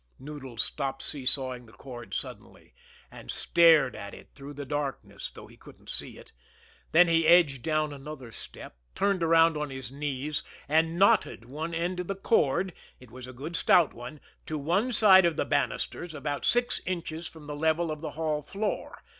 Noodles stopped see sawing the cord suddenly and stared at it through the darkness, though he couldn't see it. Then he edged down another step, turned around on his knees, and knotted one end of the cord it was a good stout one to one side of the bannisters, about six inches from the level of the hall floor.